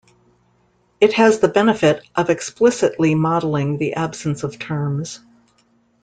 It has the benefit of explicitly modelling the absence of terms.